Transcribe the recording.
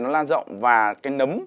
nó lan rộng và cái nấm